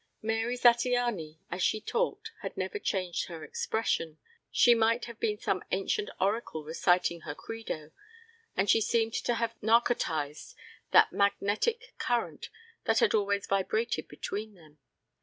Mary Zattiany as she talked had never changed her expression. She might have been some ancient oracle reciting her credo, and she seemed to have narcotized that magnetic current that had always vibrated between them.